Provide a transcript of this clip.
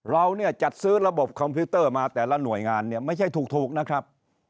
เราเนี่ยจัดซื้อระบบคอมพิวเตอร์มาแต่ละหน่วยงานเนี่ยไม่ใช่ถูกนะครับ